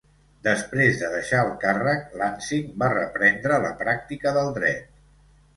Després de deixar el càrrec, Lansing va reprendre la pràctica del Dret.